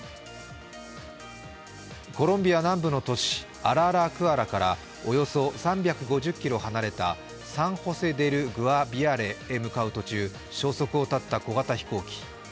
コロンビア南部の都市アララクアラからおよそ３５０ｋｍ離れたサン・ホセ・デル・グアビアレへ向かう途中、消息を絶たった小型飛行機。